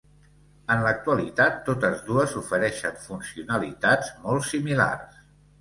En l'actualitat, totes dues ofereixen funcionalitats molt similars.